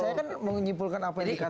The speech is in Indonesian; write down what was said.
saya kan menyimpulkan apa yang dikatakan